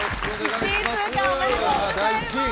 １位通過、おめでとうございます。